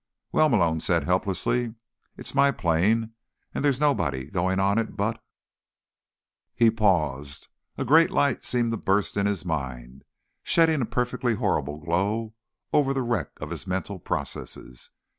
"Well," Malone said helplessly, "it's my plane, and there's nobody going on it but—" He paused. A great light seemed to burst in his mind, shedding a perfectly horrible glow over the wreck of his mental processes.